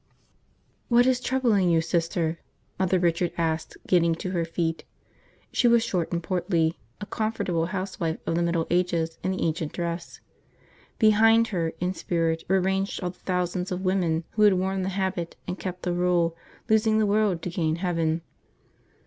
... "What is troubling you, Sister?" Mother Richard asked, getting to her feet. She was short and portly, a comfortable housewife of the Middle Ages in the ancient dress. Behind her, in spirit, were ranged all the thousands of women who had worn the habit and kept the rule, losing the world to gain heaven.